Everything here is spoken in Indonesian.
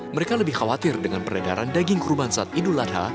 mereka lebih khawatir dengan peredaran daging kurban saat idul adha